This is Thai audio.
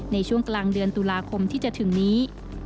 ในช่วงกลางเดือนตุลาคมที่จะถึงนี้